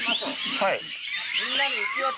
はい。